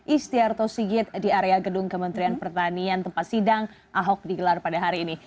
istiarto sigit di area gedung kementerian pertanian tempat sidang ahok digelar pada hari ini